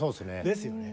ですよね。